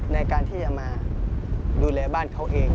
ในการที่จะมาดูแลบ้านเขาเอง